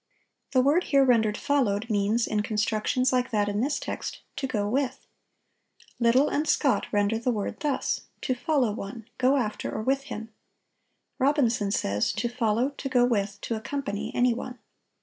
The word here rendered "followed," means, in constructions like that in this text, "to go with." Liddell and Scott render the word thus: "To follow one, go after or with him." Robinson says: "To follow, to go with, to accompany any one."